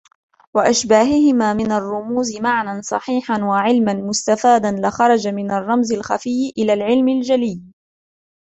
وَأَشْبَاهِهِمَا مِنْ الرُّمُوزِ مَعْنًى صَحِيحًا وَعِلْمًا مُسْتَفَادًا لَخَرَجَ مِنْ الرَّمْزِ الْخَفِيِّ إلَى الْعِلْمِ الْجَلِيِّ